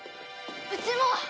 うちも！